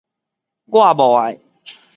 我無愛